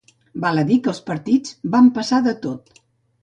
Val a dir que els partits van passar de tot.